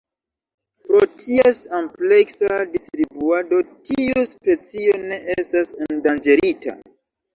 Pro ties ampleksa distribuado tiu specio ne estas endanĝerita.